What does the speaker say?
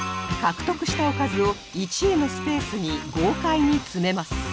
獲得したおかずを１位のスペースに豪快に詰めます